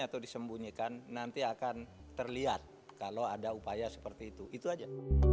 atau disembunyikan nanti akan terlihat kalau ada upaya seperti itu itu aja